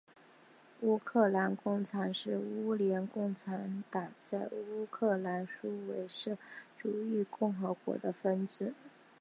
乌克兰共产党是苏联共产党在乌克兰苏维埃社会主义共和国的分支。